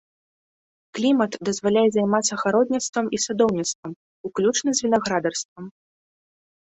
Клімат дазваляе займацца гародніцтвам і садоўніцтвам, уключна з вінаградарствам.